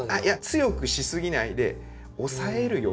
強くし過ぎないで押さえるような形で。